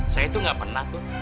saya itu gak pernah tuh